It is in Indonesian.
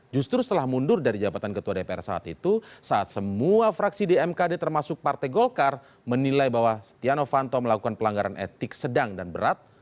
justru setelah mundur dari jabatan ketua dpr saat itu saat semua fraksi di mkd termasuk partai golkar menilai bahwa setia novanto melakukan pelanggaran etik sedang dan berat